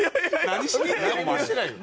何もしてないよ。